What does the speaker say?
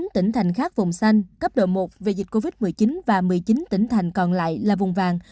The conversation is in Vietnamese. một mươi tám tỉnh thành khác vùng xanh cấp độ một về dịch covid một mươi chín và một mươi chín tỉnh thành còn lại là vùng vàng